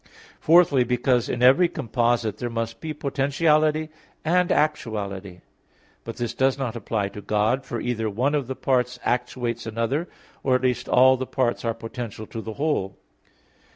Fourthly, because in every composite there must be potentiality and actuality; but this does not apply to God; for either one of the parts actuates another, or at least all the parts are potential to the whole.